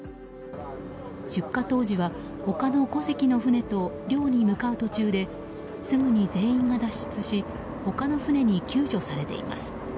出火当時は他の５隻の船と漁に向かう途中ですぐに全員が脱出し他の船に救助されています。